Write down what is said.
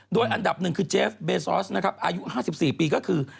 โดยอันดับหนึ่งคือเจฟเบซอสนะครับอายุ๕๔ปีก็คือ